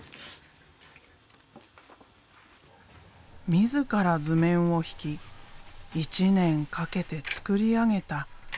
自ら図面を引き１年かけて作り上げた新幹線の家。